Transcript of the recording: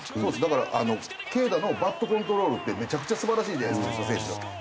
だから軽打のバットコントロールってめちゃくちゃ素晴らしいじゃないですか吉田選手。